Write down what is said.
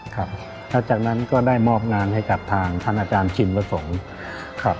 ครับแล้วจากนั้นก็ได้มอบงานให้กับทางท่านอาจารย์ชินประสงค์ครับ